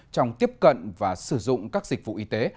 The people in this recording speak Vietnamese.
trong tiếp cận và sử dụng các dịch vụ y tế